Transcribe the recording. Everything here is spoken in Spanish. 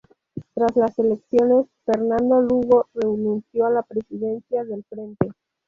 Tras las elecciones, Fernando Lugo renunció a la presidencia del frente.